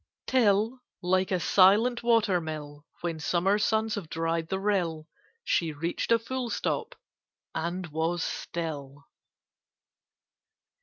Till, like a silent water mill, When summer suns have dried the rill, She reached a full stop, and was still.